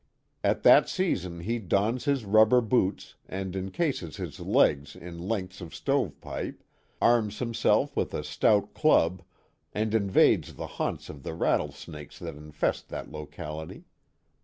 At that season he dons his rubber boots and incases his legs in lengths of stove pipe, arms himself with a stout club and invades the haunts of the rattlesnakes that infest that locality.